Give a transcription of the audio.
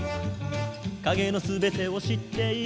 「影の全てを知っている」